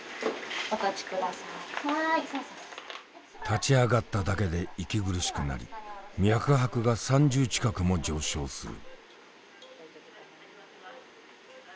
立ち上がっただけで息苦しくなり脈拍が３０近くも上昇する。